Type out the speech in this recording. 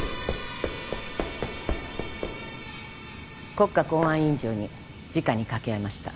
国家公安委員長にじかに掛け合いました